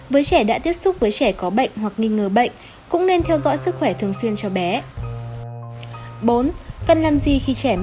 với trẻ đã tiếp xúc với trẻ có bệnh hoặc nghi ngờ bệnh cũng nên theo dõi sức khỏe thường xuyên cho bé